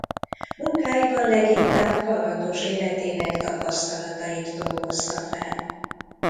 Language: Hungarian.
Munkáiban leginkább kalandos életének tapasztalatait dolgozta fel.